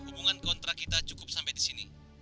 hubungan kontrak kita cukup sampai di sini